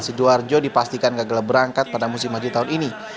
sidoarjo dipastikan gagal berangkat pada musim haji tahun ini